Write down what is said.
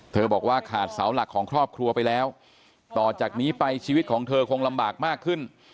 บอกว่าขาดเสาหลักของครอบครัวไปแล้วต่อจากนี้ไปชีวิตของเธอคงลำบากมากขึ้น